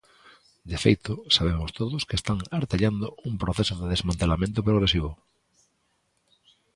De feito, sabemos todos que están artellando un proceso de desmantelamento progresivo.